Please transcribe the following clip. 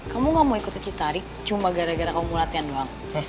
kamu gak mau ikuti citarik cuma gara gara kamu latihan doang